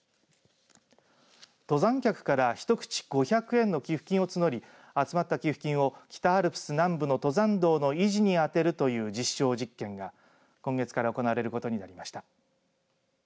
登山客から一口５００円の寄付金を募り、集まった寄付金を北アルプス南部の登山道の維持に充てるという実証実験が今月から行われることになりました。